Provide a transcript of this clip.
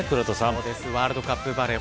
ワールドカップバレー